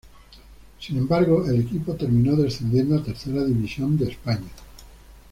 Sin embargo, el equipo terminó descendiendo a Tercera División de España.